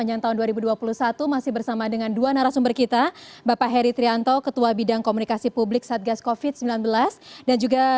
akan segera kembali sesaat lagi